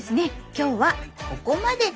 今日はここまで。